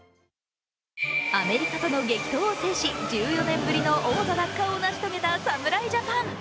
アメリカとの激闘を制し１４年ぶりの王座奪還を成し遂げた侍ジャパン。